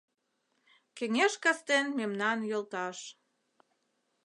Кеҥеж кастен мемнан йолташ